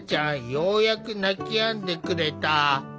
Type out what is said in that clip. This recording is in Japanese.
ようやく泣きやんでくれた。